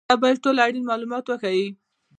دا باید ټول اړین معلومات وښيي.